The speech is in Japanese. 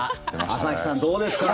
朝日さん、どうですか。